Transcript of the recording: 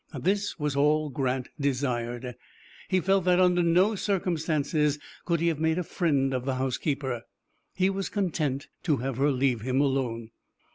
This was all Grant desired. He felt that under no circumstances could he have made a friend of the housekeeper. He was content to have her leave him alone.